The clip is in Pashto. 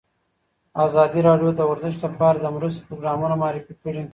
ازادي راډیو د ورزش لپاره د مرستو پروګرامونه معرفي کړي.